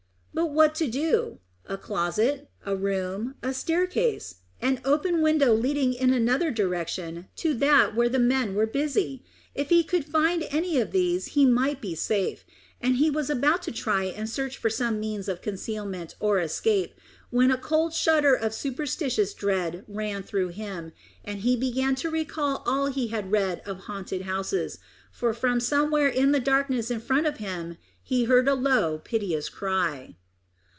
But what to do? A closet a room a staircase an open window leading in another direction to that where the men were busy! If he could find any of these he might be safe, and he was about to try and search for some means of concealment or escape when a cold shudder of superstitious dread ran through him, and he began to recall all he had read of haunted houses, for from somewhere in the darkness in front of him, he heard a low, piteous cry.